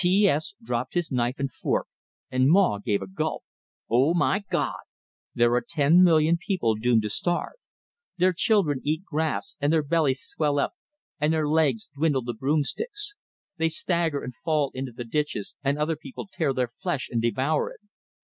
T S dropped his knife and fork, and Maw gave a gulp. "Oh, my Gawd!" "There are ten million people doomed to starve. Their children eat grass, and their bellies swell up and their legs dwindle to broom sticks; they stagger and fall into the ditches, and other children tear their flesh and devour it."